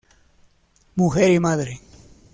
Mujer y Madre.